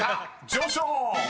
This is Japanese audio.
上昇！］